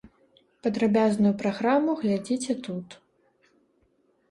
Падрабязную праграму глядзіце тут.